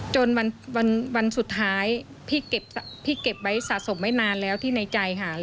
จนวันวันวันสุดท้ายพี่เก็บพี่เก็บไว้สะสมไว้นานแล้วที่ในใจค่ะ